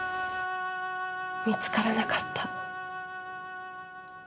見つからなかった。